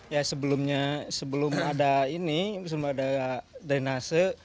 ya sebelumnya sebelum ada ini sebelum ada drenase